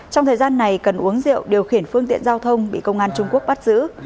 trong thời gian này cần uống rượu điều khiển phương tiện giao thông bị công an trung quốc bắt giữ